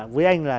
với anh là